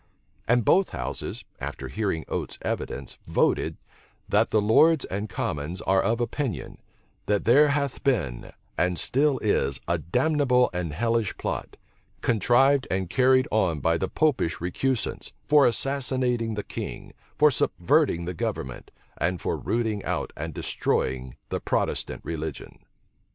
And both houses, after hearing Oates's evidence, voted, "That the lords and commons are of opinion, that there hath been, and still is, a damnable and hellish plot, contrived and carried on by the Popish recusants, for assassinating the king, for subverting the government, and for rooting out and destroying the Protestant religion."